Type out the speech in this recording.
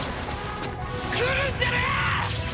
来るんじゃねぇ！！